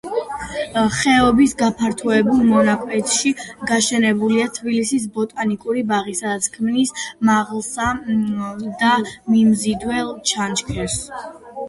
ხეობის გაფართოებულ მონაკვეთში გაშენებულია თბილისის ბოტანიკური ბაღი, სადაც ქმნის მაღალსა და მიმზიდველ ჩანჩქერს.